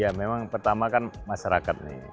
ya memang pertama kan masyarakat nih